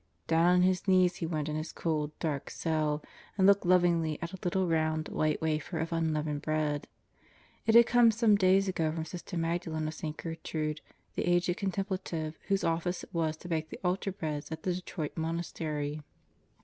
Down on his knees he went in his cold, dark cell and looked lovingly at a little round, white wafer of unleavened bread. It had come some days ago from Sister Magdalen of St. Gertrude, the aged contemplative whose office it w^s to bake the altar breads at the Detroit monastery.